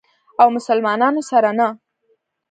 او مسلمانانو سره نه.